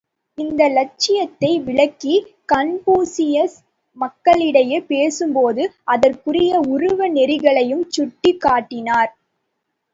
இந்த இலட்சியத்தை விளக்கிக் கன்பூசியஸ் மக்களிடையே பேசும்போது, அதற்குரிய உருவ நெறிகளையும் சுட்டிக் காட்டினார்.